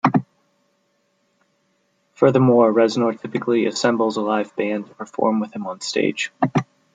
Furthermore, Reznor typically assembles a live band to perform with him onstage.